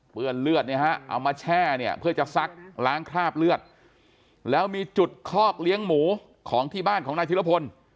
เลือดเนี่ยฮะเอามาแช่เนี่ยเพื่อจะซักล้างคราบเลือดแล้วมีจุดคอกเลี้ยงหมูของที่บ้านของนายธิรพล